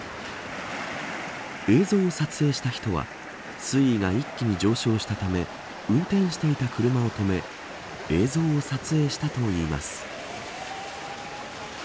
映像を撮影した人は水位が一気に上昇したため運転していた車を止め映像を撮影したといいます。